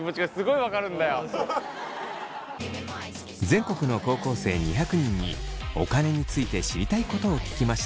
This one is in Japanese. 全国の高校生２００人にお金について知りたいことを聞きました。